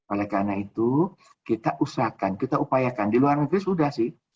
oleh karena itu kita usahakan kita upayakan di luar negeri sudah sih